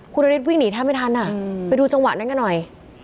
คุณนฤทธิวิ่งหนีแทบไม่ทันอ่ะไปดูจังหวะนั้นกันหน่อย